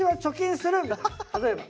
例えば。